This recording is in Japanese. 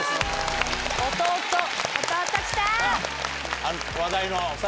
弟来た！